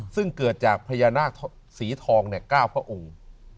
ซึ่งเกิดจากพญานาคสีทอง๙พระองค์